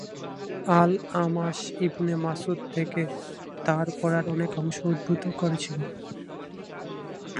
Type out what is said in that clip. আল-আ'মাশ Ibn Masud থেকে তার পড়ার অনেক অংশ উদ্ভূত করেছিলেন।